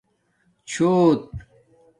چھݸت